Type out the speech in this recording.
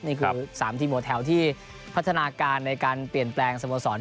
นี่คือ๓ทีมหัวแถวที่พัฒนาการในการเปลี่ยนแปลงสโมสร